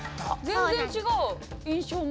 全然違う印象も。